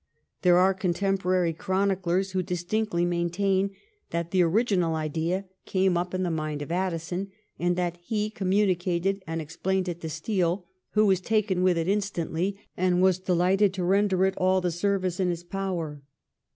There are con temporary chroniclers who distinctly maintain that the original idea came up in the mind of Addison, and that he communicated and explained it to Steele, who was taken with it instantly, and was delighted to render it all the service in his power.